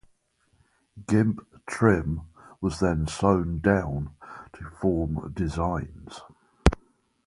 Gimp trim was then sewn down to form designs.